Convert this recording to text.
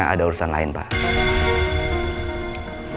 ada urusan lain pak